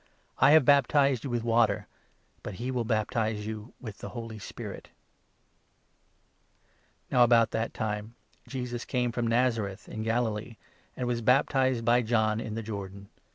I 8 have baptized you with water, but he will baptize you with the Holy Spirit." The Now about that time Jesus came from Naza 9 Baptism or reth in Galilee, and was baptized by John in the jesus. Jordan.